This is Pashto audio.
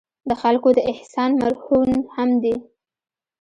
د خلکو د احسان مرهون هم دي.